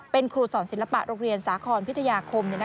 เป็นครูสอนศิลปะโรงเรียนสาครพิทยาคม